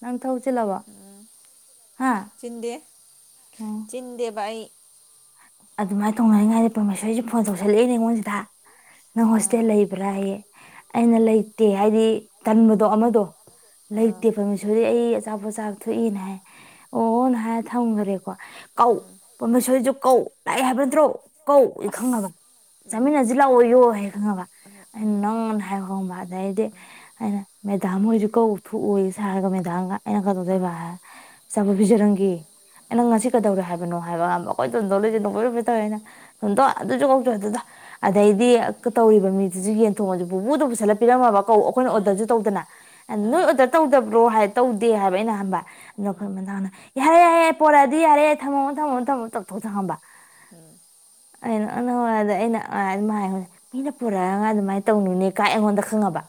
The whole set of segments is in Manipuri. ꯅꯪ ꯊꯕꯛ ꯆꯤꯜꯂꯕꯣ ꯍꯥ ꯆꯤꯟꯗꯦ ꯎꯝ ꯏꯟꯗꯦꯕ ꯑꯩ ꯑꯗꯨꯃꯥꯏꯅ ꯇꯧꯅꯔꯤꯉꯩꯗ ꯄ꯭ꯔꯥꯃꯦꯁꯣꯔꯤꯁꯦ ꯐꯣꯟ ꯇꯧꯁꯜꯂꯛꯏꯅꯦ ꯑꯩꯉꯣꯟꯁꯤꯗ ꯅꯪ ꯍꯣꯁꯇꯦꯜ ꯂꯩꯕ ꯔꯥꯌ‌ꯦ ꯑꯩꯅ ꯂꯩꯇꯦ ꯍꯥꯏꯗꯤ ꯇꯟꯕꯗꯣ ꯑꯃꯗꯣ ꯂꯩꯇꯦ ꯄꯥꯃꯦꯁꯣꯔꯤ ꯑꯩ ꯑꯆꯥꯄꯣꯠ ꯆꯥꯕ ꯊꯣꯛꯏꯅ ꯍꯥꯏ ꯑꯣ ꯑꯣ ꯍꯥꯏꯔ ꯊꯝꯈꯔꯦꯀꯣ ꯀꯧ ꯄꯃꯦꯁꯣꯔꯤꯁꯨ ꯀꯧ ꯂꯥꯛꯑꯦ ꯍꯥꯏꯕꯅꯇ꯭ꯔꯣ ꯀꯧ ꯏꯈꯪꯉꯕ ꯆꯥꯃꯤꯟꯅꯁꯤ ꯂꯥꯛꯑꯣꯌꯨ ꯍꯥꯏ ꯈꯪꯉꯕ ꯑꯩꯅ ꯅꯪꯅ ꯍꯥꯏꯅ ꯍꯥꯏꯕ ꯑꯗꯩꯗꯤ ꯑꯩꯅ ꯃꯦꯗꯥꯝ ꯍꯣꯏꯁꯨ ꯀꯧꯊꯣꯛꯑꯣꯌꯦ ꯁꯥꯔꯒ ꯃꯦꯗꯥꯝꯒ ꯑꯩꯅ ꯀꯗꯧꯗꯣꯏꯕ ꯍꯥꯏ ꯑꯆꯥꯄꯣꯠ ꯄꯤꯖꯔꯝꯒꯦ ꯑꯩ ꯅꯪ ꯉꯁꯤ ꯀꯩꯗꯧꯔꯦ ꯍꯥꯏꯕꯅꯣ ꯍꯥꯏꯕ ꯑꯩꯈꯣꯏ ꯇꯣꯟꯗꯣꯟ ꯍꯣꯏꯁꯦ ꯅꯣꯛ ꯃꯔꯨꯐꯇꯧꯋꯦꯅ ꯇꯣꯟꯗꯣꯟ ꯑꯗꯨꯁꯨ ꯀꯧꯆꯣ ꯑꯗꯨꯗꯣ ꯑꯗꯩꯗꯤ ꯇꯧꯔꯤꯕ ꯃꯤꯗꯨꯁꯨ ꯌꯦꯟꯊꯣꯡꯉꯁꯨ ꯄꯨꯡꯄꯨꯗ ꯄꯨꯁꯜꯂꯥ ꯄꯤꯔꯝꯃꯕ ꯀꯧ ꯑꯩꯈꯣꯏꯅ ꯑꯣꯔꯗꯔꯁꯨ ꯇꯧꯗꯅ ꯅꯣꯏ ꯑꯣꯗꯔ ꯇꯧꯗꯕ꯭ꯔꯣ ꯍꯥꯏ ꯇꯧꯗꯦ ꯍꯥꯏꯕ ꯑꯩꯅ ꯑꯍꯥꯟꯕ ꯈꯣꯏ ꯃꯅꯥꯎꯅ ꯌꯥꯔꯦ ꯌꯥꯔꯦ ꯄꯣꯔꯛꯑꯗꯤ ꯌꯥꯔꯦ ꯊꯝꯃꯣ ꯊꯝꯃꯣ ꯊꯝꯃꯣ ꯇꯧꯊꯣꯛ ꯊꯃꯝꯕ ꯎꯝ [unintelligible] ꯃꯤꯅ ꯄꯨꯔꯛꯑꯒ ꯑꯗꯨꯃꯥꯏꯅ ꯇꯧꯅꯨꯅꯦ ꯀꯥꯏ ꯑꯩꯉꯣꯟꯗ ꯈꯪꯉꯕ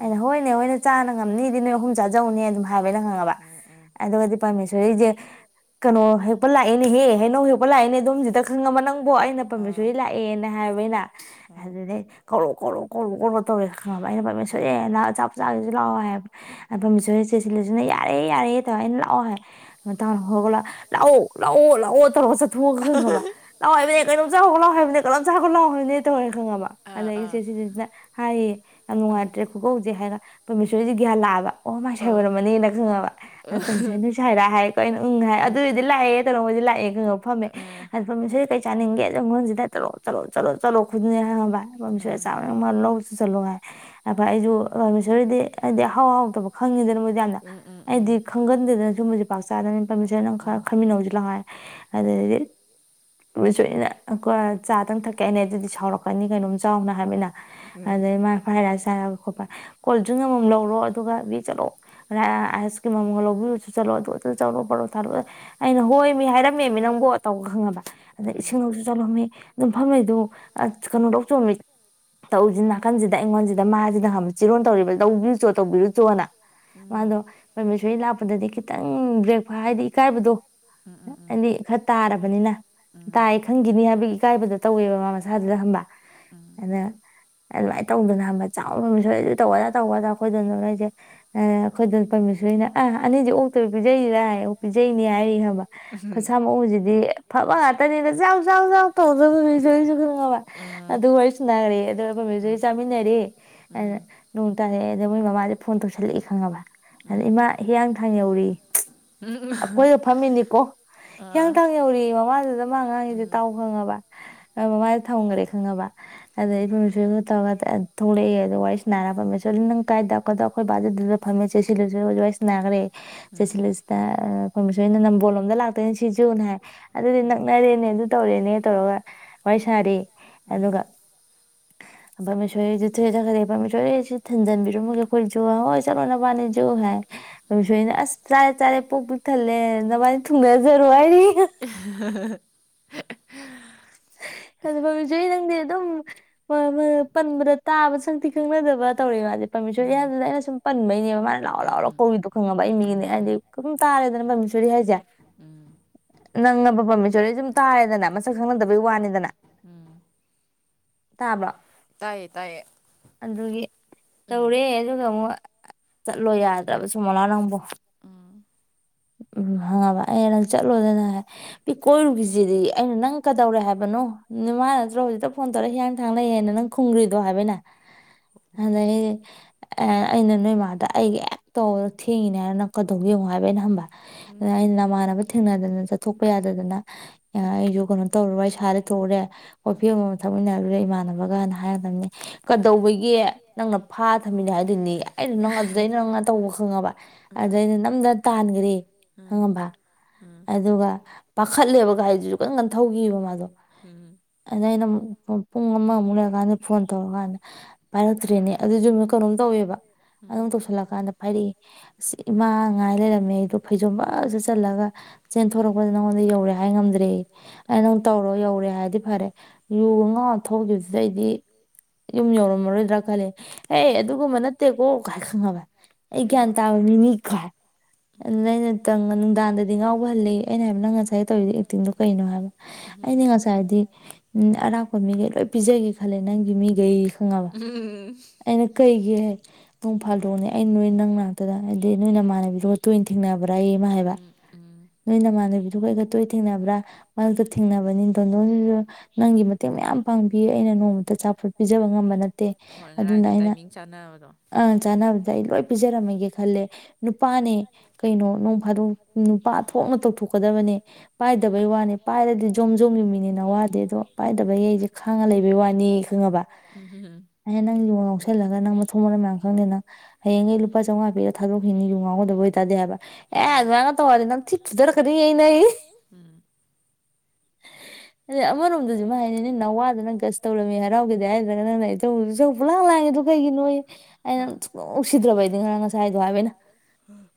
ꯑꯩꯅ ꯍꯣꯏꯅꯦ ꯍꯣꯏꯅꯦ ꯆꯥꯕ ꯉꯝꯅꯤꯗꯤ ꯅꯣꯏ ꯑꯍꯨꯝ ꯆꯥꯖꯧꯅꯦ ꯑꯗꯨꯝ ꯍꯥꯏꯕ ꯑꯩꯅ ꯈꯡꯉꯕ ꯑꯗꯨꯒꯗꯤ ꯄꯥꯃꯦꯁꯣꯔꯤꯁꯦ ꯀꯩꯅꯣ ꯍꯦꯛꯄ ꯂꯥꯛꯑꯦꯅꯦꯍꯦ ꯍꯩꯅꯧ ꯍꯦꯛꯄ ꯂꯥꯛꯑꯦꯅꯦ ꯌꯨꯝꯁꯤꯗ ꯈꯪꯉꯕ ꯅꯪꯕꯣ ꯑꯩꯅ ꯄꯥꯃꯦꯁꯣꯔꯤ ꯂꯥꯛꯑꯦꯅ ꯍꯥꯏꯕ ꯑꯩꯅ ꯑꯗꯨꯗꯩ ꯀꯧꯔꯣ ꯀꯧꯔꯣ ꯀꯧꯔꯣ ꯀꯧꯔꯣ ꯇꯧꯔꯦ ꯈꯪꯕ ꯑꯩꯅ ꯄꯥꯃꯦꯁꯣꯔꯤ ꯅꯪ ꯑꯆꯥꯄꯣꯠ ꯆꯥꯒꯤꯁꯤ ꯂꯥꯛꯑꯣ ꯍꯥꯏꯕ [unintelligible] ꯌꯥꯔꯦ ꯌꯥꯔꯦ ꯇꯧꯋ ꯑꯩꯅ ꯂꯥꯛꯑꯣ ꯍꯥꯏ [unintelligible] ꯂꯥꯛꯑꯣ ꯂꯥꯛꯑꯣ ꯂꯥꯛꯑꯣ ꯇꯧꯔꯣ ꯆꯠꯊꯣꯛꯑꯒ ꯈꯪꯉꯕ ꯂꯥꯎꯑꯣ ꯍꯥꯏꯕꯅꯦ ꯀꯩꯅꯣꯝ ꯆꯥꯈꯣ ꯂꯥꯎꯑꯣ ꯍꯥꯏꯕꯅꯦ ꯀꯩꯅꯣꯝ ꯆꯥꯈꯣꯂꯥꯎꯑꯣ ꯍꯥꯏꯕꯅꯦ ꯇꯧꯔꯦ ꯈꯪꯉꯕ ꯑꯗꯒꯤ [unintelligible] ꯍꯥꯏꯑꯦ ꯌꯥꯝ ꯅꯨꯡꯉꯥꯏꯇ꯭ꯔꯦ ꯈꯨꯀꯧꯖꯤ ꯍꯥꯏꯔꯒ ꯄꯔꯃꯦꯁꯣꯔꯁꯤꯦ ꯒ꯭ꯌꯥꯟ ꯂꯥꯛꯑꯕ ꯑꯣ ꯃꯥꯏ ꯁꯥꯏ ꯑꯣꯏꯔꯝꯃꯅꯦꯅ ꯈꯪꯉꯕ ꯄꯥꯃꯦꯁꯣꯔꯤ ꯅꯣꯏ ꯁꯥꯏꯔꯥ ꯍꯥꯏꯔꯛ ꯑꯩꯅ ꯎꯪ ꯍꯥꯏ ꯑꯗꯨꯑꯣꯏꯗꯤ ꯂꯥꯛꯑꯦ [unintelligible] ꯂꯑꯦ ꯈꯪꯕ ꯐꯝꯃꯦ ꯄꯥꯃꯦꯁꯣꯔꯤꯗ ꯀꯩ ꯆꯥꯅꯤꯡꯒꯦ ꯑꯗꯣ [unintelligible] ꯆꯂꯣ ꯆꯠꯂꯣ ꯆꯠꯂꯣ ꯈꯨꯗꯤꯅꯦ [unintelligible] ꯄꯥꯃ‌ꯦꯁ‌ꯣꯔꯤ ꯆꯥꯕ ꯌꯥꯕ ꯑꯃ ꯂꯧ ꯆꯨ ꯆꯜꯂꯣ ꯍꯥꯏ ꯑꯗ ꯑꯩꯁꯨ ꯔꯥꯃꯦꯁꯔꯤꯗꯤ ꯑꯩꯗꯤ ꯍꯥꯎ ꯍꯥꯎꯇꯕ ꯈꯪꯉꯤꯗꯅ ꯃꯣꯏꯗꯤ ꯌꯥꯝꯅ ꯑꯩꯗꯤ ꯈꯪꯒꯟꯗꯦꯗꯅ ꯁꯨꯝꯕꯁꯦ ꯄꯥꯛ ꯆꯥꯗꯅ ꯄꯔꯃꯤꯁ‌ꯣꫪꯤ ꯅꯪ ꯈꯪꯃꯤꯟꯅꯧꯁꯤ ꯂꯥꯎ ꯑꯗꯨꯗꯩꯗꯤ [inaudible] ꯑꯗꯨ ꯁꯅ ꯆꯥꯗꯪ ꯊꯛꯀꯦꯅꯦ ꯑꯗꯨꯗꯤ ꯁꯥꯎꯔꯛꯀꯅꯤ ꯀꯩꯅꯣꯝ ꯆꯥꯎꯅ ꯍꯥꯏꯕꯅ ꯑꯗꯩ ꯃꯥ ꯐꯔ ꯆꯥꯔꯒ ꯈꯣꯠꯄ ꯀꯣꯜ ꯗ꯭ꯔꯤꯡ ꯑꯃꯃꯝ ꯂꯧꯔꯣ ꯑꯗꯨꯒ ꯕꯤ ꯆꯠꯂꯣ ꯑꯥꯏꯁ ꯀ꯭ꯔꯤꯝ ꯑꯃꯒ ꯂꯧꯕꯤꯁꯣ ꯆꯠꯂꯣ ꯑꯩꯅ ꯍꯣꯏ ꯃꯤ ꯍꯥꯏꯔꯝꯃꯦꯃꯤ ꯅꯪꯕꯨ ꯇꯧꯕ ꯈꯪꯉꯕ ꯑꯗ ꯏꯁꯤꯡꯂꯧꯁꯨ ꯆꯠꯂꯝꯃꯤ ꯑꯗꯨꯝ ꯐꯝꯃꯤꯗꯨ ꯀꯩꯅꯣ ꯂꯧ ꯆꯣꯃꯤ ꯇꯧꯁꯤ ꯅꯥꯀꯟꯁꯤꯗ ꯑꯩꯉꯣꯟꯁꯤꯗ ꯃꯥꯁꯤꯗꯅ ꯆꯤꯔꯣꯟ ꯇꯧꯔꯤꯕ ꯇꯧꯕꯤꯔꯨꯆꯣ ꯇꯧꯕꯤꯔꯨꯆꯣꯅ ꯃꯥꯗꯣ ꯄꯥꯃꯦꯁꯣꯔꯤ ꯂꯥꯛꯄꯗꯗꯤ ꯈꯤꯇꯪ ꯕ꯭ꯔꯦꯛꯐꯥꯏ ꯍꯥꯏꯗꯤ ꯏꯀꯥꯏꯕꯗꯣ ꯑꯥ ꯑꯥ ꯑꯥ ꯗꯤ ꯈꯔ ꯇꯥꯔꯕꯅꯤꯅ ꯇꯥꯏ ꯈꯪꯈꯤꯅꯤ ꯍꯥꯏꯕꯒꯤ ꯏꯀꯥꯏꯕꯗꯣ ꯇꯧꯋꯦꯕ ꯃꯥ ꯃꯁꯥꯗꯨꯗ ꯍꯝꯕ ꯑꯗ ꯑꯗꯨꯃꯥꯏꯅ ꯇꯧꯗꯅ ꯈꯪꯕ꯭ꯔꯥ ꯆꯥꯕ ꯑꯗꯨ ꯇꯧꯕ ꯑꯗꯥ ꯇꯧꯕꯗ ꯑꯩꯈꯣꯏꯗꯅ ꯂꯩꯁꯦ ꯑꯩꯈꯣꯏꯗ ꯄꯥꯃꯦꯁꯣꯔꯤ ꯅ ꯑ ꯑꯅꯤꯁꯤ ꯑꯣꯛꯇꯩꯐꯥꯎ ꯄꯤꯖꯔꯤꯔꯥꯌꯦ ꯑꯣ ꯄꯤꯖꯩꯅꯦ ꯍꯥꯏꯔꯤ ꯍꯥꯏꯕ ꯃꯥꯁꯥ ꯃꯥ ꯎ ꯁꯤꯗꯤ ꯐꯕ ꯉꯥꯛꯇꯅꯤꯅ ꯆꯥꯎ ꯆꯥꯎ ꯆꯥꯎ ꯇꯧꯗ ꯄꯥꯃꯦꯁꯣꯔꯤꯁꯨ ꯈꯡꯉꯕ ꯑꯗꯨ ꯋꯥꯔꯤ ꯁꯨꯅꯔꯦ ꯑꯗꯨꯒ ꯑꯩꯈꯣꯏꯃꯩꯁꯦ ꯆꯥꯃꯤꯟꯅꯔꯦ ꯑꯩꯅ ꯅꯣꯡ ꯇꯥꯔꯛꯑꯦ ꯑꯗ ꯃꯣꯏ ꯃꯃꯥꯥꯁꯦ ꯐꯣꯟ ꯇꯧꯁꯜꯂꯛꯑꯦ ꯈꯪꯉꯕ ꯑꯗ ꯏꯃꯥ ꯍꯤꯌꯥꯡ ꯊꯥꯡ ꯌꯧꯔꯤ ꯑꯩꯈꯣꯏꯗ ꯐꯝꯃꯤꯅꯤꯀꯣ ꯊꯥꯡ ꯌꯧꯔꯦꯌꯦ ꯃꯃꯥꯗꯨꯗ ꯃꯥ ꯉꯉꯥꯡꯉꯤꯁꯦ ꯇꯥꯎ ꯈꯪꯉꯕ ꯃꯃꯥꯗ ꯊꯝꯈ꯭ꯔꯦ ꯈꯪꯉꯕ ꯑꯗꯩ ꯄꯥꯃꯦꯁꯣꯔꯤ ꯇꯧꯔꯒ ꯊꯣꯛꯂꯛꯑꯦ ꯑꯗꯣ ꯋꯥꯔꯤꯁꯥꯟꯅꯥꯔꯔꯃꯦ ꯄꯥꯃꯦꯁꯣꯔꯤ ꯅꯪ ꯀꯥꯏꯗꯥ ꯑꯩꯈꯣꯏ ꯐꯝꯃꯦ ꯆꯦꯁꯤꯜꯂꯁꯤ [unintelligible] ꯑꯩꯅ ꯅꯝꯕꯣꯜꯂꯣꯝꯗ ꯂꯥꯛꯇꯣꯏꯅꯦ ꯁꯤꯁ ꯍꯥꯏ ꯑꯗꯨꯗꯤ ꯅꯛꯅꯔꯦꯅꯦ ꯑꯗꯨ ꯇꯧꯔꯦꯅꯦ ꯇꯧꯔꯒ ꯋꯥꯔꯤ ꯁꯥꯅꯔꯤ ꯑꯗꯨꯒ ꯑꯄꯥꯝ ꯃꯤꯁꯣꯏꯁꯤ ꯊꯣꯏꯖꯈꯔꯦ ꯑꯄꯥꯝ ꯃꯤꯁꯣꯏ ꯑꯩꯁꯤ ꯊꯟꯖꯟꯕꯤꯔꯝꯃꯒꯦ ꯑꯩꯈꯣꯏ ꯖꯨ ꯍꯣꯏ ꯆꯠꯂꯣꯅ ꯋꯥꯅꯤ ꯖꯨ ꯍꯥꯏ ꯀꯁꯨ ꯑꯩꯅ ꯑꯁ ꯆꯥꯔꯦ ꯆꯥꯔꯦ ꯄꯨꯨꯛ ꯄꯤꯛ ꯊꯜꯂꯦ ꯅꯕꯥꯅ ꯊꯨꯡꯅꯖꯔꯣ ꯍꯥꯏꯔꯤ ꯍ ꯍ ꯍ ꯑꯗꯨꯖꯣꯏ ꯅꯪꯗꯤ ꯑꯗꯨꯝ ꯍꯣꯏ ꯄꯟꯕꯗ ꯇꯥꯕ ꯁꯛꯇꯤ ꯈꯪꯅꯗꯕ ꯇꯧꯔꯛꯏ ꯃꯥꯁꯗꯤ ꯄꯔꯃꯤꯠꯁ ꯏꯌꯥꯗꯨꯅ ꯑꯩꯅ ꯁꯨꯝ ꯄꯟꯕꯩꯅꯦꯕ ꯃꯥꯅ ꯂꯥꯎꯔ ꯂꯥꯎꯔ ꯀꯧꯔꯤꯗꯣ ꯈꯪꯉꯕ ꯑꯩ ꯃꯤꯒꯤꯅꯦ ꯍꯥꯏꯗꯤ ꯑꯗꯨꯝ ꯇꯥꯔꯦꯗꯅ ꯄꯟꯃꯤꯁꯣꯔꯤ ꯍꯥꯏꯁꯦ ꯎꯝ ꯅꯪꯅ ꯄꯕꯥꯝꯃꯦꯆꯣꯔꯦ ꯁꯨꯝ ꯇꯥꯏꯔꯗꯅ ꯃꯁꯛ ꯈꯪꯅꯗ ꯋꯥꯕꯥꯅꯤꯗꯅ ꯇꯥꯕ꯭ꯂꯣ ꯇꯥꯏꯌꯦ ꯇꯥꯏꯌꯦ ꯑꯗꯨꯒꯤ ꯇꯧꯔꯦ ꯑꯗꯨꯒ ꯑꯃꯨꯛ ꯆꯠꯂꯣ ꯌꯥꯗ꯭ꯔꯕ ꯁꯨꯃꯣꯂꯥ ꯅꯪꯕꯨ ꯎꯝ ꯍꯪꯉꯕ ꯑꯩ ꯅꯪ ꯆꯠꯂꯣꯗꯅ ꯍꯥꯏ ꯄꯤ ꯀꯣꯏꯔꯨꯈꯤꯁꯤꯗꯤ ꯑꯩꯅ ꯅꯪ ꯀꯗꯧꯔꯦ ꯍꯥꯏꯕꯅꯣ ꯃꯥ ꯅꯠꯇ꯭ꯔꯣ ꯍꯧꯖꯤꯛꯇ ꯐꯣꯟ ꯇꯧꯔꯦ ꯍꯤꯌꯥꯡ ꯊꯥꯡꯅꯩꯌꯦꯅ ꯅꯪ ꯈꯨꯡꯒ꯭ꯔꯤꯗꯣ ꯍꯥꯏꯕꯅ ꯑꯗ ꯑꯦ ꯑꯩꯅ ꯅꯣꯏ ꯏꯃꯥꯗ ꯑꯩꯒ ꯑꯦ ꯇꯧꯔ ꯊꯦꯡꯉꯤꯅꯦ ꯍꯥꯏꯅ ꯑꯩꯅ ꯀꯩꯗꯧ ꯌꯦꯡꯉꯣ ꯍꯥꯏꯕ ꯑꯩꯅ ꯍꯝꯕ ꯑꯗꯨ ꯑꯩꯅ ꯅꯃꯥꯟꯅꯕ ꯊꯦꯡꯅꯗꯅ ꯆꯠꯊꯣꯛꯄ ꯌꯥꯗꯗꯅ ꯑꯩꯁꯨ ꯀꯩꯅꯣ ꯇꯧꯔꯨꯔ ꯑꯩ ꯋꯥꯔꯤ ꯁꯥꯔꯥ ꯊꯣꯛꯎꯔꯦ ꯑꯩꯈꯣꯏ ꯐꯤꯕ ꯑꯃ ꯊꯛꯃꯤꯟꯅꯔꯨꯔꯦ ꯏꯃꯥꯟꯅꯕꯒꯅ ꯍꯥꯏꯔꯗꯕꯅꯦ ꯀꯗꯧꯕꯒꯤ ꯅꯪꯅ ꯐꯥ ꯊꯝꯃꯤꯅꯦ ꯍꯥꯏꯗꯨꯏꯅꯦ ꯑꯩ ꯅꯪ ꯑꯗꯨꯗꯩꯅ ꯅꯪꯅ ꯇꯧꯕ ꯈꯪꯉꯕ ꯑꯗꯨꯗ ꯑꯩꯅ ꯅꯝꯗ ꯇꯥꯟꯈꯔꯦ ꯈꯪꯉꯕ ꯑꯗꯨꯒ ꯄꯥꯈꯠꯂꯦꯕ ꯒꯥꯔꯤꯗꯨꯁꯨ ꯀꯟꯒꯟ ꯊꯧꯈꯤꯕ ꯃꯥꯗꯣ ꯎꯝ ꯑꯗ ꯑꯩꯅ ꯄꯨꯡ ꯑꯃꯃꯨꯛ ꯂꯩꯔꯀꯥꯟꯗ ꯐꯣꯟ ꯇꯧꯔꯀꯥꯟꯗ ꯄꯥꯏꯔꯛꯇ꯭ꯔꯦꯅꯦ ꯑꯗꯨꯗꯨꯝ ꯀꯩꯅꯣꯝ ꯇꯧꯋꯦꯕ ꯑꯗꯨꯝ ꯇꯧꯁꯤꯜꯂꯛꯀꯥꯟꯗ ꯄꯥꯏꯔꯛꯏ ꯑꯁꯤꯁ ꯏꯃꯥꯉꯥꯏ ꯂꯩꯔꯝꯃꯦ ꯐꯩꯖꯣꯝ ꯐꯁꯨ ꯆꯜꯂꯒ ꯆꯦꯟꯊꯣꯔꯛꯄꯗ ꯅꯪꯉꯣꯟꯗ ꯌꯧꯔꯦ ꯍꯥꯏ ꯉꯝꯗ꯭ꯔꯦ ꯑꯩ ꯑꯩ ꯅꯪ ꯇꯧꯔꯣ ꯌꯧꯔꯦ ꯍꯥꯏꯔꯗꯤ ꯐꯔꯦ ꯌꯨ ꯉꯎ ꯊꯣꯛꯈꯤꯕꯁꯦ ꯑꯩꯗꯤ ꯌꯨꯝ ꯌꯧꯔꯝꯃꯔꯣꯏꯗ꯭ꯔꯥ ꯈꯜꯂꯦ ꯑꯦ ꯑꯗꯨꯒꯨꯝꯕ ꯅꯠꯇꯦꯀꯣ ꯀꯥꯏ ꯈꯪꯉꯕ ꯑꯩ ꯒ꯭ꯌꯥꯟ ꯇꯥꯕꯃꯤꯅꯤ ꯑꯗꯨꯅ ꯑꯩꯅ ꯅꯨꯡꯗꯥꯡꯗꯗꯤ ꯉꯥꯎꯕ ꯍꯜꯂꯤ ꯑꯩꯅ ꯍꯥꯏꯕ ꯅꯪ ꯉꯁꯥꯏ ꯇꯧꯔꯤꯗꯤ ꯑꯦꯛꯇꯤꯡꯗꯣ ꯀꯩꯅꯣ ꯍꯥꯏꯕ ꯑꯩꯩꯅ ꯉꯁꯥꯏꯗꯤ ꯎ ꯑꯔꯥꯞꯄ ꯃꯤꯈꯩ ꯂꯣꯏ ꯄꯤꯖꯒꯦ ꯈꯜꯂꯦ ꯅꯪꯒꯤ ꯃꯤꯈꯩ ꯈꯉꯕ ꯑꯩꯅ ꯀꯩꯒꯤ ꯍꯥꯏ ꯅꯣꯡ ꯐꯥꯜꯗꯣꯛꯅꯦ ꯑꯩ ꯅꯣꯏ ꯅꯪ ꯉꯅꯥꯥꯛꯛꯇꯗ ꯍꯥꯏꯗꯤ ꯅꯣꯏ ꯅ ꯃꯥꯟꯅꯕꯤꯔꯣ ꯇꯣꯏꯅ ꯊꯦꯡꯅꯕ꯭ꯔꯥ ꯏꯃ ꯍꯥꯏꯕ ꯅꯣꯏ ꯅꯃꯥꯟꯅꯕꯤꯗꯨꯒ ꯑꯩꯒ ꯇꯣꯏꯅ ꯊꯦꯡꯅꯕ꯭ꯔꯥ ꯃꯥꯗꯨꯗꯣ ꯊꯦꯡꯅꯕꯅꯤꯗꯣ ꯅꯣꯏ ꯅꯪꯒꯤ ꯃꯇꯦꯡ ꯃꯌꯥꯝ ꯄꯥꯡꯕꯤꯌ ꯑꯩꯅ ꯅꯣꯡꯃꯇ ꯆꯆꯥꯐꯣꯠ ꯄꯤꯖꯕ ꯉꯝꯕ ꯅ ꯐꯠꯇꯦ ꯑꯗꯨꯅ ꯑꯩꯅ ꯑ ꯆꯥꯅꯕꯗ ꯑꯩ ꯂꯣꯏ ꯄꯤꯖꯔꯝꯃꯒꯦ ꯈꯜꯂꯦ ꯅꯨꯄꯥꯅꯦ ꯀꯩꯅꯣ ꯅꯣꯡ ꯐꯥꯗꯣꯛ ꯅꯨꯄꯥ ꯊꯣꯛꯅ ꯇꯧꯊꯣꯛꯀꯗꯕꯅꯦ ꯄꯥꯏꯗꯕꯩ ꯋꯥꯅꯤ ꯄꯥꯏꯔꯗꯤ ꯖꯣꯝ ꯖꯣꯝꯒꯤ ꯃꯤꯅꯤꯅ ꯋꯥꯗꯦ ꯑꯗꯣ ꯄꯥꯏꯗꯕꯩ ꯑꯩꯁꯦ ꯈꯥꯡꯉ ꯂꯩꯕꯩ ꯋꯥꯅꯤ ꯈꯪꯉꯕ ꯎꯝ ꯎꯝ ꯎꯝ ꯑꯍꯦ ꯅꯪ ꯂꯉꯣꯟ ꯌꯥꯎꯁꯜꯂꯒ ꯅꯪ ꯃ ꯊꯣꯡ ꯃꯔꯝ ꯃꯌꯥꯝ ꯈꯪꯗꯦꯅ ꯍꯌꯦꯡ ꯑꯩ ꯂꯨꯄꯥꯥꯝꯉꯥ ꯄꯤꯔ ꯊꯥꯗꯣꯛꯈꯤꯅꯤ ꯌꯨ ꯉꯥꯎꯒꯗꯕꯣꯏ ꯑꯦ ꯇꯀ ꯆꯔꯀꯅꯦ ꯑꯗꯩ ꯑꯃꯔꯣꯝꯗꯁꯨ ꯃꯥ ꯍꯥꯏꯅꯤ ꯅꯪꯅ ꯋꯥꯗꯅꯪ ꯒꯁ ꯇꯧꯔꯝꯃꯤ ꯍꯔꯥꯎꯈꯤꯗ ꯍꯥꯏꯗ꯭ꯔꯒ ꯅꯪꯅ ꯆꯧꯗꯨ ꯆꯧ ꯄꯨꯂꯥꯡ ꯂꯥꯡꯉꯦꯗ ꯀꯩꯒꯤꯅꯣ ꯑꯩꯅ ꯁ ꯎꯁꯤꯗ꯭ꯔꯕꯩꯗꯤ ꯉꯔꯥꯡ ꯉꯁꯥꯏꯗꯣ ꯍꯥꯏꯕꯅ ꯎꯝ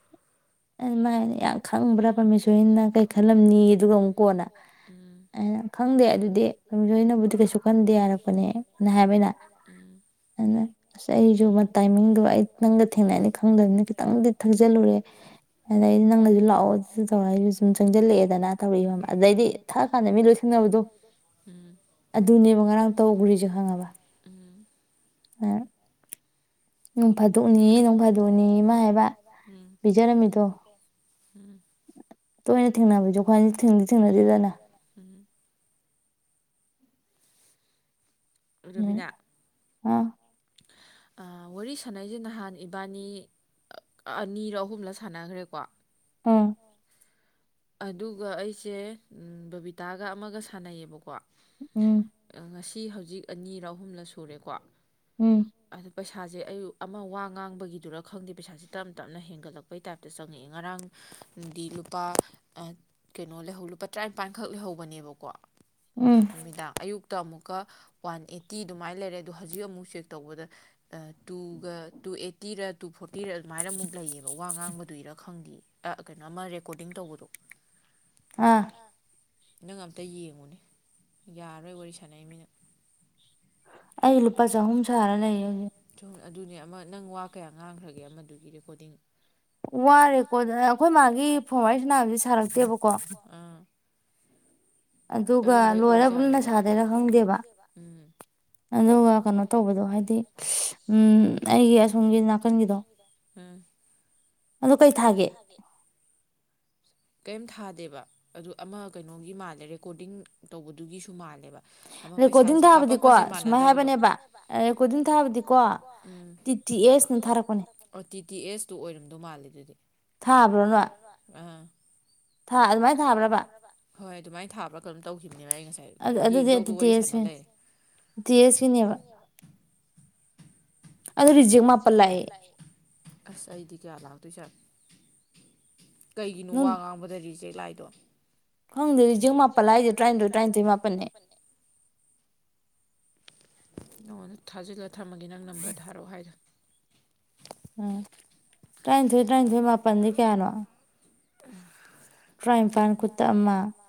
ꯑ ꯃꯥꯏꯅ ꯌꯥꯝ ꯈꯪꯕ꯭ꯔꯥ ꯄꯔꯃꯤꯁꯣꯔꯅ ꯀꯩ ꯈꯜꯂꯝꯅꯤ ꯑꯗꯨꯒ ꯑꯃꯨꯛ ꯀꯣꯟꯅ ꯎꯝ ꯍꯥꯏꯅ ꯈꯪꯗꯦ ꯑꯗꯨꯗꯤꯣꯏꯅꯕꯨꯗꯤ ꯀꯩꯁꯨ ꯈꯟꯗꯦ ꯍꯥꯏꯔꯛꯄꯅꯦꯅ ꯍꯥꯏꯕꯩꯅ ꯎꯝ ꯑꯗꯨꯅ ꯑꯁ ꯑꯩꯁꯨ ꯇꯥꯏꯃꯤꯡꯗꯣ ꯑꯩ ꯅꯪꯒ ꯊꯦꯡꯅꯅꯤ ꯈꯪꯗꯕꯅꯤꯅ ꯈꯤꯇꯪꯗꯤ ꯊꯪꯖꯤꯜꯂꯨꯔꯦ ꯑꯗꯩꯗꯤ ꯅꯪꯅꯁꯨ ꯂꯥꯛꯑꯣ ꯑꯗꯨꯁꯨ ꯇꯧꯔ ꯑꯩꯁꯨ ꯁꯨꯝ ꯆꯪꯁꯤꯜꯂꯛꯑꯦꯗꯅ ꯇꯧꯔꯛꯏꯕ ꯑꯗꯩꯗꯤ ꯊꯥ ꯀꯥꯟꯅ ꯃꯤ ꯂꯣꯏ ꯊꯦꯡꯅꯕꯗꯣ ꯑꯣꯏꯗ ꯑꯗꯨꯅꯦꯕ ꯉꯔꯥꯡ ꯇꯧꯈ꯭ꯔꯤꯁꯦ ꯈꯪꯉꯕ ꯅꯅꯨꯡ ꯐꯥꯗꯣꯛꯅꯤ ꯅꯅꯨꯡ ꯐꯥꯗꯣꯛꯑꯅꯤ ꯏꯃ ꯍꯥꯏꯕ ꯎꯝ ꯄꯤꯖꯔꯝꯃꯤꯗꯣ ꯇꯣꯏꯅ ꯊꯦꯡꯅꯕꯁꯨ ꯑꯩꯈꯣꯏ ꯊꯦꯡꯗꯤ ꯊꯦꯡꯅꯗꯦꯗꯅ ꯎꯝ ꯑꯥ ꯋꯥꯔꯤ ꯁꯥꯟꯅꯩꯁꯦ ꯅꯍꯥꯟ ꯏꯕꯥꯅꯤ ꯑꯅꯤꯔ ꯑꯍꯨꯝꯂ ꯁꯥꯟꯅꯈ꯭ꯔꯦꯀꯣ ꯎꯝ ꯑꯗꯨꯒ ꯑꯩꯁꯦ ꯕꯕꯤꯇꯥꯒ ꯑꯃꯒ ꯁꯥꯟꯅꯩꯌꯦꯕꯀꯣ ꯎꯝ ꯉꯁꯤ ꯍꯧꯖꯤꯛ ꯑꯅꯤꯔ ꯑꯍꯨꯝꯂ ꯁꯨꯔꯦꯀꯣ ꯎꯝ ꯑꯗꯨ ꯄꯩꯁꯥꯁꯦ ꯑꯩ ꯑꯃ ꯋꯥ ꯉꯥꯡꯕꯒꯤꯗꯨꯔ ꯈꯪꯗꯦ ꯄꯩꯁꯥꯁꯦ ꯇꯞ ꯇꯞꯅ ꯍꯦꯟꯒꯠꯂꯛꯄ ꯄꯩ ꯇꯥꯏꯞꯇ ꯆꯪꯉꯛꯑꯦ ꯉꯔꯥꯡꯗꯤ ꯂꯨꯄꯥ ꯀꯩꯅꯣ ꯂꯩꯍꯧ ꯂꯨꯄꯥ ꯇꯔꯥꯅꯤꯄꯥꯟꯈꯛ ꯂꯩꯍꯧꯕꯅꯦꯕꯀꯣ ꯎꯝ ꯅꯨꯃꯤꯗꯥꯡ ꯑꯌꯨꯛꯇ ꯑꯃꯨꯛꯀ ꯋꯥꯟ ꯑꯩꯠꯇꯤ ꯑꯗꯨꯃꯥꯏꯅ ꯂꯩꯔꯦ ꯑꯗꯣ ꯍꯧꯖꯤꯛ ꯑꯃꯨꯛ ꯆꯦꯛ ꯇꯧꯕꯗ ꯇꯨꯒ ꯇꯨ ꯑꯩꯠꯇꯤꯔ ꯇꯨ ꯐꯣꯔꯇꯤꯔ ꯑꯗꯨꯃꯥꯏꯅ ꯑꯃꯨꯛ ꯂꯩꯌꯦꯕ ꯋꯥ ꯉꯥꯡꯕꯗꯨꯏꯔ ꯈꯪꯗꯦ ꯀꯩꯅꯣ ꯑꯃ ꯔꯦꯀꯣꯔꯗꯤꯡ ꯇꯧꯕꯗꯣ ꯑꯥ ꯑ ꯅꯪ ꯑꯝꯇ ꯌꯦꯡꯉꯨꯅꯦ ꯌꯥꯔꯔꯣꯏ ꯋꯥꯔꯤ ꯁꯥꯟꯅꯩ ꯃꯌꯥꯝ ꯑꯩ ꯂꯨꯄꯥ ꯆꯍꯨꯝ ꯁꯥꯔ ꯂꯩꯔꯤꯃꯤ꯫ ꯁꯨꯝ ꯑꯗꯨꯅꯦ ꯑꯃ ꯅꯪ ꯋꯥ ꯀꯌꯥ ꯉꯥꯡꯒ꯭ꯔꯒꯦ ꯑꯃꯗꯨꯒꯤ ꯔꯦꯀꯣꯔꯗꯤꯡ ꯋꯥꯖꯦ ꯀꯣꯗꯔꯒ ꯑꯩꯈꯣꯏ ꯃꯥꯒꯤ ꯐꯣꯟ ꯋꯥꯔꯤ ꯁꯅꯥꯕꯁꯦ ꯁꯥꯔꯛꯇꯦꯕꯀꯣ ꯑ ꯀꯔꯝꯕꯩ ꯑꯣꯏꯖꯥꯠꯅꯣꯕ ꯎꯝ꯫ ꯑꯗꯨꯒ ꯀꯩꯅꯣ ꯇꯧꯕꯗꯣ ꯍꯥꯏꯗꯤ ꯑꯩꯒꯤ ꯑꯁꯣꯝꯒꯤ ꯅꯥꯀꯟꯒꯤꯗꯣ ꯑ ꯑꯗꯣ ꯀꯩ ꯊꯥꯒꯦ꯫ ꯀꯩꯝ ꯊꯥꯗꯦꯕ ꯑꯗꯨ ꯑꯃ ꯀꯩꯅꯣꯒꯤ ꯃꯥꯜꯂꯦ ꯔꯦꯀꯣꯔꯗꯤꯡ ꯇꯧꯕꯗꯨꯒꯤꯁꯨ ꯃꯥꯜꯂꯦꯕ ꯑꯃ ꯄꯩꯁꯥꯁꯦ ꯀꯥꯞꯄꯛꯄꯁꯦ ꯃꯥꯟꯅꯗꯕꯗꯣ ꯎꯝ ꯑꯣ ꯇꯤ ꯇꯤ ꯑꯦꯁꯇꯨ ꯑꯣꯏꯔꯝꯗꯧ ꯃꯥꯜꯂꯦ ꯑꯗꯨꯗꯤ ꯎ ꯍꯣꯏ ꯑꯗꯨꯃꯥꯏꯅ ꯊꯥꯕ꯭ꯔꯥ ꯀ ꯑꯗꯨꯝ ꯇꯧꯈꯤꯕꯅꯦꯅ ꯑꯩ ꯉꯁꯥꯏ ꯌꯦꯡꯗꯧꯗꯣ ꯋꯥꯔꯤ ꯁꯥꯟꯅ ꯂꯩ ꯇꯦꯁꯕꯤꯅꯦꯕ ꯑꯗꯨꯗ ꯔꯤꯖꯒ ꯃꯥꯄꯜꯂꯑꯦ ꯑꯁ ꯑꯩꯗꯤ ꯀꯌꯥ ꯂꯥꯛꯇꯣꯏ ꯁꯥꯔ ꯀꯅꯣ ꯋꯥ ꯉꯥꯡꯕꯗꯔꯤꯁꯦ ꯂꯥꯏꯗꯣ ꯐꯪꯗꯦ ꯖꯛ ꯃꯥꯄꯟ ꯍꯥꯏꯦ ꯇꯔꯥꯅꯤꯊꯣꯏ ꯇꯔꯥꯅꯤꯊꯣꯏ ꯃꯥꯄꯟꯅꯦ ꯅ ꯊꯥꯖꯤꯜꯂ ꯊꯝꯃꯒꯦ ꯅꯪ ꯅꯝꯕꯔ ꯊꯥꯔꯛꯑꯣ ꯍꯥꯏꯗ ꯎꯝ ꯇꯔꯥꯅꯤꯊꯣꯏ ꯇꯔꯥꯅꯤꯊꯣꯏ ꯃꯥꯄꯟꯗꯤ ꯀꯌꯥꯅꯣ [unintelligible] ꯇꯔꯥꯅꯤꯄꯥꯜ ꯈꯨꯠꯇ ꯑꯃ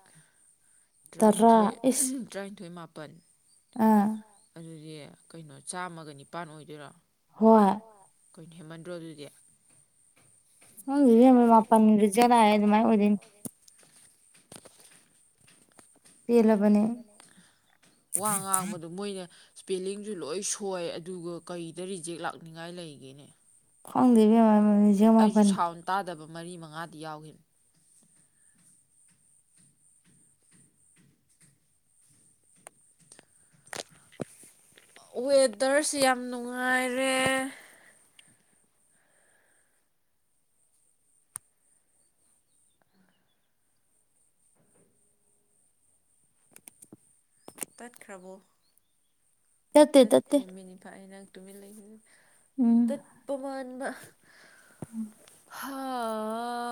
ꯇꯔꯥꯅꯤꯊꯣꯏ [unintelligible] ꯇꯔꯥꯅꯤꯊꯣꯏ ꯃꯥꯄꯜ ꯑꯥ ꯑ ꯑꯗꯨꯗꯤ ꯀꯩꯅꯣ ꯆꯥꯝꯃꯒ ꯅꯤꯄꯥꯥꯟ ꯑꯣꯏꯗꯣꯏꯔꯣ꯫ ꯍꯣꯏ꯫ ꯑꯣ ꯀꯩꯅꯣ ꯍꯦꯃꯟꯗ꯭ꯔꯣ ꯑꯗꯨꯗꯤ ꯈꯪꯗꯤꯌꯦ [unintelligible] ꯑꯗꯨꯃꯥꯏ ꯑꯣꯏꯗꯅꯤ꯫ [unintelligible] ꯋꯥ ꯉꯥꯡꯕꯗꯣ ꯃꯣꯏꯅ ꯁ꯭ꯄꯦꯂꯤꯡꯖꯨ ꯂꯣꯏ ꯁꯣꯏ ꯑꯗꯨꯒ ꯀꯩꯗ ꯔꯤꯖꯦꯛ ꯂꯥꯛꯅꯤꯡꯉꯥꯏ ꯂꯩꯒꯦꯅꯦ꯫ ꯑꯩꯖꯨ ꯁꯥꯎꯟ ꯇꯥꯗꯕ ꯃꯔꯤ ꯃꯉꯥꯗꯤ ꯌꯥꯎꯒꯤꯃꯤ꯫ ꯋꯦꯗꯔꯁꯦ ꯌꯥꯝ ꯅꯨꯡꯉꯥꯏꯔꯦ꯫ ꯇꯠꯈ꯭ꯔꯕꯣ꯫ ꯇꯠꯇ꯭ꯔꯤ ꯃꯤꯠꯅꯤꯐꯥꯏ ꯅ ꯪꯇꯨꯃꯤ ꯂꯩꯈꯤ [unintelligible] ꯇꯠꯄ ꯃꯥꯟꯕ꯫ ꯍꯥ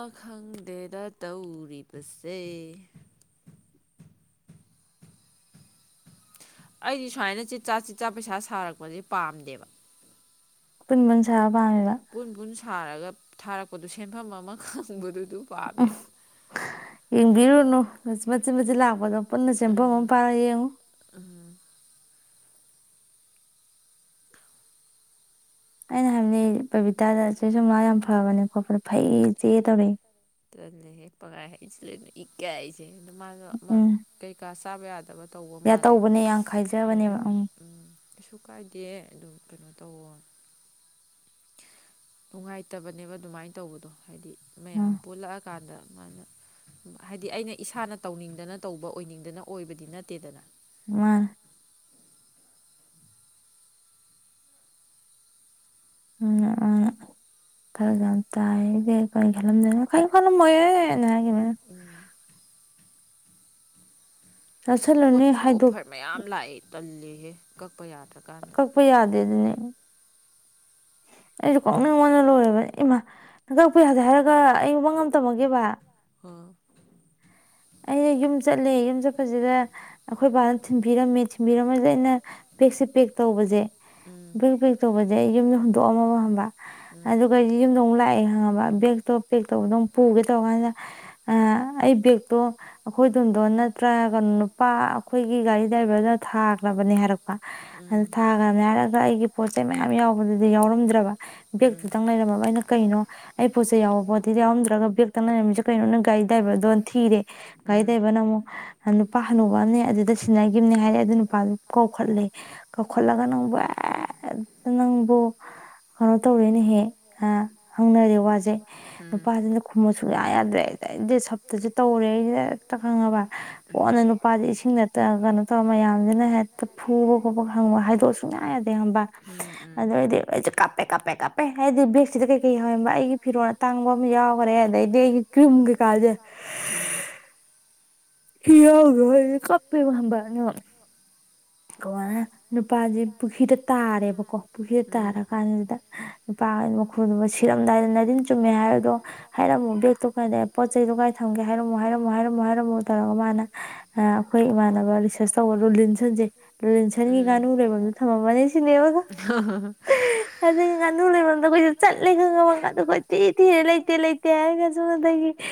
ꯑ ꯈꯪꯗꯦꯗ ꯇꯧꯔꯤꯕꯁꯦ꯫ ꯑꯩꯗꯤ ꯁꯨꯃꯥꯏꯅ ꯆꯤꯠ ꯆꯥꯥ ꯆꯤꯠ ꯆꯥ ꯄꯩꯁꯥ ꯁꯥꯔꯛꯄꯁꯦ ꯄꯥꯝꯗꯦꯕ꯫ ꯄꯨꯟ ꯄꯨꯟꯅ ꯁꯥꯔ ꯄꯥꯝꯃꯤꯕ꯫ ꯄꯨꯟ ꯄꯨꯟ ꯁꯥꯔꯒ ꯊꯥꯔꯛꯄꯗꯨ ꯁꯦꯟꯐꯝ ꯑꯃ ꯈꯪꯕꯗꯨꯗꯨ ꯄꯥꯝꯃꯦꯕ꯫ ꯌꯦꯡꯕꯤꯔꯨꯅꯨ ꯃꯆꯤꯟꯠ ꯃꯆꯤꯟꯠ ꯂꯥꯛꯄꯗꯣ ꯄꯨꯟꯅ ꯁꯦꯝꯦꯟꯐꯝ ꯑꯃ ꯄꯥꯏꯔ ꯌꯦꯡꯉꯨ꯫ ꯎꯝ ꯑꯩꯅ ꯍꯥꯏꯕꯅꯦ ꯄꯕꯤꯇꯥꯗ ꯆꯦꯖꯨꯃꯥ ꯌꯥꯝ ꯐꯕꯅꯦ ꯈꯣꯠꯄꯅꯦ ꯐꯩ ꯆꯦ ꯇꯧꯔꯛꯏ꯫ ꯇꯠꯂꯍꯦ ꯄꯪꯍꯥꯏ ꯍꯥꯢꯖꯂꯦꯅ ꯏꯀꯥꯏꯖꯩ ꯃꯥꯗꯣ ꯑꯃ ꯀꯩꯀꯥ ꯆꯥꯕ ꯌꯥꯗꯕ ꯇꯧꯕ ꯃꯥꯜꯂꯦ ꯑꯗꯨꯗ ꯑꯩꯅ ꯎꯝ ꯀꯩꯁꯨ ꯀꯥꯏꯗꯦꯌꯦ ꯑꯗꯨ ꯀꯩꯅꯣ ꯇꯧꯋꯣ ꯅꯨꯡꯉꯥꯏꯇꯕꯅꯦꯕ ꯑꯗꯨꯃꯥꯏꯅ ꯇꯧꯕꯗꯣ ꯍꯥꯏꯗꯤ ꯃꯌꯥꯝ ꯄꯨꯂꯛꯑꯀꯥꯟꯗ ꯃꯥꯅ ꯍꯥꯏꯗꯤ ꯑꯩꯅ ꯏꯁꯥꯅ ꯇꯧꯅꯤꯡꯗꯅ ꯇꯧꯕ ꯑꯣꯏꯅꯤꯡꯗꯅ ꯑꯣꯏꯕꯗꯤ ꯅꯠꯇꯦꯗꯅ [unintelligible] ꯎꯝ ꯑ ꯐꯔꯛ ꯌꯥꯝ ꯇꯥꯏꯅꯦ ꯀꯔꯤ ꯈꯂꯝꯗꯣꯏꯅꯣ ꯀꯔꯤꯝ ꯈꯜꯂꯝꯃꯣꯏꯍꯦ ꯍꯥꯏꯒꯤꯃꯦ ꯑꯩꯅ꯫ ꯎꯝ ꯏꯁ ꯄꯣꯠꯁꯦ ꯑꯣꯐꯔ ꯃꯌꯥꯝ ꯂꯥꯛꯑꯦ ꯇꯜꯜꯂꯤꯍꯦ ꯀꯛꯄ ꯌꯥꯗ꯭ꯔꯀꯥꯟꯗ ꯄ ꯌꯥꯗꯦꯅꯦ ꯑꯩꯁꯨ ꯀꯛꯅꯤꯡꯉꯣꯟꯅ ꯂꯣꯏꯔꯦꯕꯅꯦ ꯏꯃꯥ ꯅꯟꯗꯛꯄ ꯌꯥꯗꯦ ꯍꯥꯏꯔꯒ ꯑꯩ ꯃꯪ ꯑꯃ ꯇꯝꯃꯛꯀꯦꯕ ꯍ ꯑꯩꯅ ꯌꯨꯝ ꯆꯠꯂꯦ ꯌꯨꯝ ꯆꯠꯄꯁꯤꯗ ꯑꯩꯈꯣꯏ ꯕꯥꯅ ꯊꯤꯟꯕꯤꯔꯝꯃꯦ ꯊꯤꯟꯕꯤꯔꯝꯕꯁꯤꯗ ꯑꯩꯅ ꯕꯦꯛꯁꯦ ꯄꯦꯛ ꯇꯧꯕꯁꯦ ꯕꯦꯛ ꯄꯦꯛ ꯇꯧꯕꯁꯦ ꯑꯩ ꯌꯨꯝꯗ ꯍꯨꯟꯗꯣꯛꯑꯝꯃꯕ ꯑꯗꯨ ꯑꯩꯈꯩꯗꯤ ꯌꯨꯝꯗꯧ ꯂꯥꯛꯑꯦ ꯈꯪꯉꯕ ꯕꯦꯒꯛꯇꯣ ꯄꯦꯛ ꯇꯧꯕꯗꯧ ꯄꯨꯒꯦ ꯇꯧꯔꯀꯥꯟꯗ ꯑꯩ ꯕꯦꯛ ꯇꯣ ꯑꯩꯈꯣꯏ ꯗꯣꯟꯗꯣꯟꯅ ꯅꯠꯇ꯭ꯔ ꯀꯩꯅꯣ ꯅꯨꯄꯥ ꯑꯩꯈꯣꯏꯒꯤ ꯒꯥꯔꯤ ꯗ꯭ꯔꯥꯏꯚꯔꯗꯨ ꯊꯥꯈꯒ꯭ꯔꯕꯅꯦ ꯍꯥꯏꯔꯛꯄ꯫ ꯑꯗꯨ ꯊꯥꯒ꯭ꯔꯕꯅꯤ ꯍꯥꯏꯔꯒ ꯑꯩꯒꯤ ꯄꯣꯠ ꯆꯩ ꯃꯌꯥꯝ ꯌꯥꯎꯕꯗꯨꯗꯤ ꯌꯥꯎꯔꯝꯗ꯭ꯔꯕ ꯕꯦꯒꯛꯇꯨꯗꯪ ꯂꯩꯔꯝꯃꯕ ꯑꯩꯅ ꯀꯩꯅꯣ ꯑꯩ ꯄꯣꯠ ꯆꯩ ꯌꯥꯎꯕꯣꯠꯇꯗꯤ ꯌꯥꯎꯔꯗ꯭ꯔꯒ ꯕꯦꯛꯇ ꯇꯅ ꯂꯩꯔꯃꯤꯖꯦ ꯀꯩꯅꯣ ꯒꯥꯔꯤꯗ꯭ꯔꯥꯏꯚꯔꯗꯣ ꯊꯤꯔꯦ ꯒꯥꯔꯤ ꯗꯥꯏꯕꯔꯅ ꯑꯃꯨꯛ ꯅꯨꯄꯥ ꯍꯅꯨꯕ ꯑꯃꯅꯦ ꯑꯗꯨꯗ ꯁꯤꯟꯅꯒꯤꯕꯅꯦ ꯍꯥꯏꯔꯦ ꯑꯗꯨ ꯅꯨꯄꯥꯗꯨ ꯀꯧꯈꯠꯂꯦ ꯀꯧꯈꯠꯂꯒ ꯑꯦꯑ ꯅꯪꯕꯨ ꯑꯦ ꯅꯪꯕꯨ ꯀꯩꯅꯣ ꯇꯧꯔꯦꯅꯍꯦ ꯑ ꯍꯪꯅꯔꯦ ꯋꯥꯖꯦ ꯅꯨꯄꯥꯗꯨꯅ ꯈꯨꯝꯃꯣ ꯁꯨꯛꯌꯥ ꯌꯥꯗ꯭ꯔꯦ ꯑꯗꯩ ꯁꯞꯇꯔꯁꯦ ꯇꯧꯔꯦ ꯍꯦꯛꯇ ꯈꯪꯉꯕ ꯀꯣꯟꯅ ꯅꯨꯄꯥꯖꯦ ꯏꯁꯤꯡꯗ [unintelligible] ꯀꯩꯅꯣ ꯇꯧꯔ ꯃꯌꯥꯝꯖꯤꯅ ꯍꯦꯛꯇ ꯐꯨꯕ ꯈꯣꯠꯄ ꯈꯪꯕ ꯍꯥꯏꯗꯣꯛꯎ ꯁꯨꯛꯌꯥ ꯌꯥꯗꯦ ꯈꯪꯉꯕ ꯑꯣꯏꯔꯗꯤ ꯑꯩꯖꯦ ꯀꯞꯄꯦ ꯀꯞꯄꯦ ꯇꯥꯞꯄꯦ ꯍꯥꯏꯗꯤ ꯕꯦꯒꯁꯤꯗ ꯀꯩ ꯀꯩ ꯍꯧꯔꯕ ꯑꯩ ꯐꯤꯔꯣꯟꯜ ꯆꯪꯕ ꯑꯃ ꯌꯥꯎꯈ꯭ꯔꯦ ꯑꯗꯩꯗꯤ ꯑꯩ ꯀꯨꯝ ꯀꯦꯀꯥꯥꯁꯦ ꯍꯤꯒ ꯀꯞꯄꯦꯕ ꯈꯡꯕ ꯀ ꯅꯨꯄꯥꯁꯦ ꯄꯨꯈ꯭ꯔꯤꯗ ꯇꯥꯔꯦꯕꯀꯣ ꯄꯨꯈ꯭ꯔꯤꯗ ꯇꯥꯔ ꯀꯥꯟꯁꯤꯗ ꯄꯥ ꯃꯈꯣꯟꯗꯨꯒ ꯁꯤꯔꯝꯗꯥꯏꯗ ꯅꯔꯤꯟ ꯆꯨꯝꯃꯦ ꯍꯥꯏꯔꯤꯗꯣ ꯍꯥꯏꯔꯝꯃꯣ ꯕꯦꯒꯛꯇꯣ ꯀꯥꯏꯗ ꯄꯣꯠ ꯆꯩꯗ ꯀꯥꯏ ꯊꯪꯒꯦ ꯍꯥꯏꯔꯃꯣ ꯍꯥꯏꯔꯝꯃꯣ ꯍꯥꯏꯔꯃꯣ ꯍꯥꯏꯔꯝꯃꯣ ꯇꯧꯔꯒ ꯃꯥꯅ ꯑꯩꯈꯣꯏ ꯏꯃꯥꯟꯅꯕ ꯔꯤꯁꯔꯁ ꯇꯧꯕ ꯂꯨꯂꯤꯟꯁꯟꯁꯦ ꯂꯨꯂꯤꯟꯁꯟꯒꯤ ꯉꯥꯅꯨ ꯂꯩꯕꯝ ꯊꯝꯃꯝꯃꯅꯤ ꯁꯤꯅꯦꯕꯀꯣ ꯑꯗꯨꯗꯒꯤ ꯉꯥꯅꯨ ꯂꯩꯐꯝꯗ ꯑꯩꯈꯣꯏꯖꯦ ꯆꯠꯂꯦ ꯈꯪꯉꯕ ꯉꯗꯨꯒꯗꯤ ꯊꯤꯔꯦ ꯂꯩꯇꯦ ꯂꯩꯇꯦ ꯍꯥꯏꯔꯒ ꯁꯣꯟꯗꯒꯤ